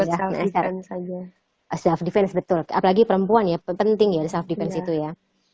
ya karena saja asap defense betul apalagi perempuannya penting ya disamping situ ya